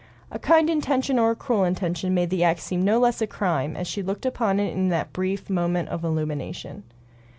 A kind intention or a cruel intention made the act seem no less a crime as she looked upon it in that brief moment of illumination.